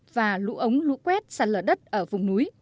và lũ ống lũ quét sạt lở đất ở vùng núi